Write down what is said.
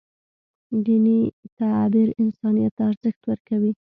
دیني تعبیر انسانیت ته ارزښت ورکوي.